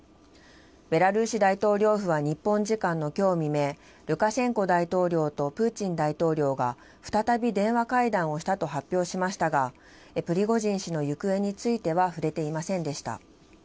ベラルーシ大統領府は日本時間のきょう未明、ルカシェンコ大統領とプーチン大統領が再び電話会談をしたと発表しましたが、プリゴジン氏の行方については触れていませんでした。